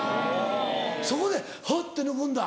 そこでハッて抜くんだ